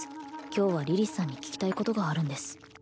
今日はリリスさんに聞きたいことがあるんです